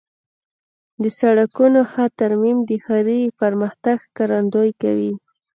د سړکونو ښه ترمیم د ښاري پرمختګ ښکارندویي کوي.